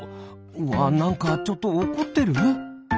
うわなんかちょっとおこってる？